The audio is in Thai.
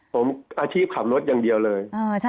ผมอาชีพขับรถอย่างเดียวเลย